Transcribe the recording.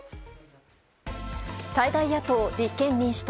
最大野党、立憲民主党。